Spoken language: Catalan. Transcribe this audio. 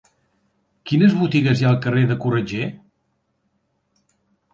Quines botigues hi ha al carrer de Corretger?